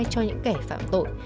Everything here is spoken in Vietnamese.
cho những kẻ phạm tội